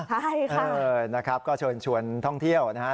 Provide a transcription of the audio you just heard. ใช่ค่ะนะครับก็เชิญชวนท่องเที่ยวนะฮะ